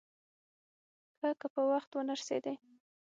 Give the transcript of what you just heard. ښه که په وخت ونه رسېدې.